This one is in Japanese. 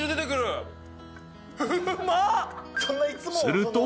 ［すると］